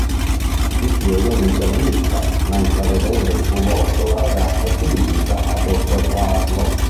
Gli chiede un'intervista, ma intravedendo il suo volto, la ragazza si limita ad osservarlo.